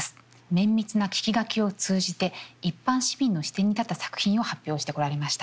綿密な聞き書きを通じて一般市民の視点に立った作品を発表してこられました。